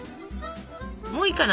もういいかな？